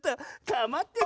かまってよ